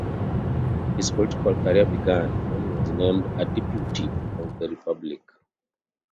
His political career began when he was named a Deputy of the Republic.